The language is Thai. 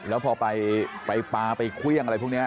แล้วพอไปปลาไปเครื่องครับ